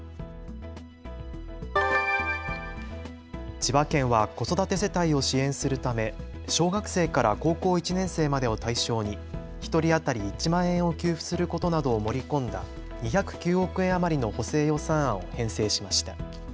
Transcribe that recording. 千葉県は子育て世帯を支援するため小学生から高校１年生までを対象に１人当たり１万円を給付することなどを盛り込んだ２０９億円余りの補正予算案を編成しました。